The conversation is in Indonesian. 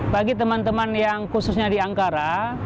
bagi teman teman yang khususnya di ankara